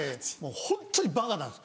ホントにバカなんです。